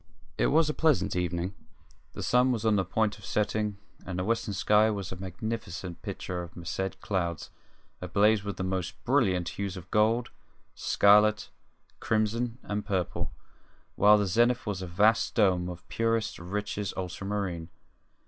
It was a pleasant evening. The sun was on the point of setting, and the western sky was a magnificent picture of massed clouds ablaze with the most brilliant hues of gold, scarlet, crimson, and purple, while the zenith was a vast dome of purest, richest ultramarine.